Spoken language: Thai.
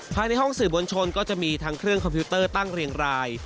ภายในห้องสื่อมวลชนก็จะมีทั้งเครื่องคอมพิวเตอร์ตั้งเรียงราย